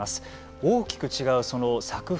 大きく違うその作風。